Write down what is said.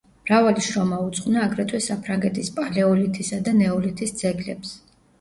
მრავალი შრომა უძღვნა აგრეთვე საფრანგეთის პალეოლითისა და ნეოლითის ძეგლებს.